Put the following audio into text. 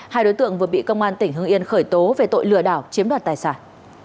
hai đối tượng vừa bị công an tỉnh hưng yên khởi tố về tội lừa đảo chiếm đoạt tài sản